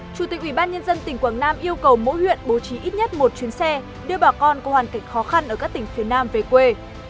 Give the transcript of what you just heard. chủ tịch ubnd tỉnh quảng nam yêu cầu mỗi huyện bố trí ít nhất một chuyến xe đưa bà con có hoàn cảnh khó khăn ở các tỉnh phía nam về quê